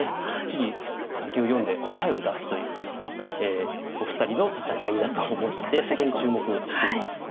きっちり先を読んで答えを出すというお二人の戦いだと思ってそこに注目しています。